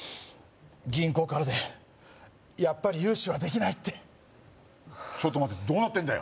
銀行からでやっぱり融資はできないってちょっと待てどうなってんだよ